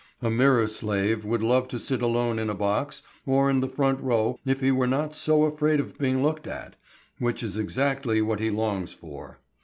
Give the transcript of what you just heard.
A mirror slave would love to sit alone in a box or in the front row if he were not so afraid of being looked at which is exactly what he longs for.